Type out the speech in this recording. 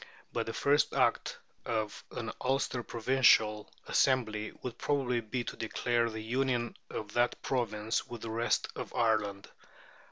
But the first act of an Ulster Provincial Assembly would probably be to declare the union of that Province with the rest of Ireland.